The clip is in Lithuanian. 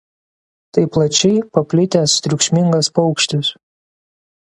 Tai plačiai paplitęs triukšmingas paukštis.